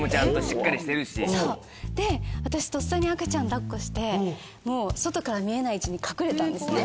そうで私とっさに赤ちゃん抱っこして外から見えない位置に隠れたんですね。